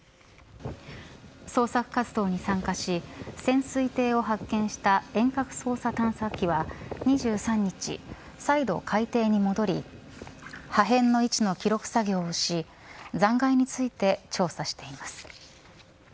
捜索活動に参加し潜水艇を発見した遠隔操作探査機は２３日再度、海底に戻り破片の位置の記録作業をし残骸について調査しています。